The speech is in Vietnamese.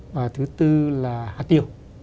và thứ tư là hạt tiêu